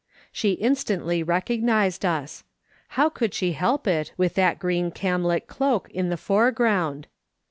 She instantly recognised us. How could she help it, with that green camlet cloak in the fore ground